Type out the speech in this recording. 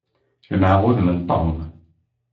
Lemmεeɣ udem n Tom.